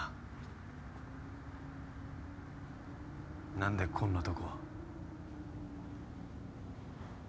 何でこんなとこ。